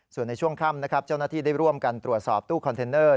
ส่วนในช่วงค่ำนะครับเจ้าหน้าที่ได้ร่วมกันตรวจสอบตู้คอนเทนเนอร์